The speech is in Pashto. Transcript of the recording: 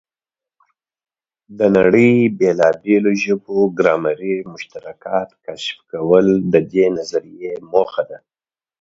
د نړۍ بېلابېلو ژبو ګرامري مشترکات کشف کول د دې نظریې موخه ده.